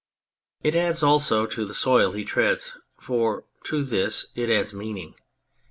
It adds also to the soil he treads, for to this it adds meaning.